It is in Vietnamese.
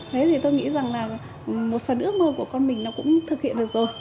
thế thì tôi nghĩ rằng là một phần ước mơ của con mình nó cũng thực hiện được rồi